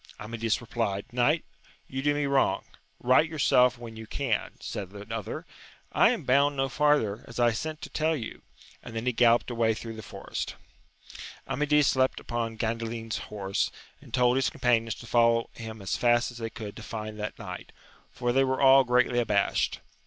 Amadis replied, Knight, you do me wrong. Eight yourself when you can ! said the other : I am bound no farther, as I sent to tell you ! and then he galloped away through the forest. Amadis leapt upon Gandalin's horse, and told his companions to ioWo^ \imcl «& i^&\» ^&'^^ ^skp^s^xr^ Hsss^ AMADIS OF GAUL 219 that knight, for they were all greatly abashed.